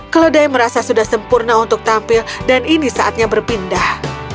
keledai merasa sudah sempurna untuk tampil dan ini saatnya berpindah